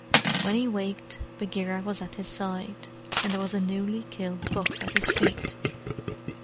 When he waked, Bagheera was at his side, and there was a newly killed buck at his feet.